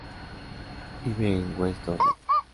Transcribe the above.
Vive en West Dorset.